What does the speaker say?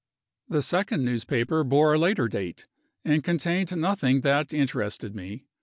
The second newspaper bore a later date, and contained nothing that interested me.